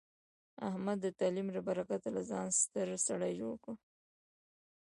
احمد د تعلیم له برکته له ځانه ستر سړی جوړ کړ.